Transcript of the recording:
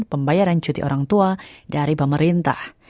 pembayaran cuti orang tua dari pemerintah